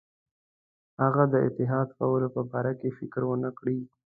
هغه د اتحاد کولو په باره کې فکر ونه کړي.